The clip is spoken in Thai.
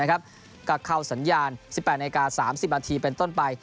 ก็เข้าสัญญาณ๑๘นาที๓๐นาทีเป็นต้นไป